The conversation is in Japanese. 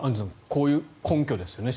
こういう根拠ですよね。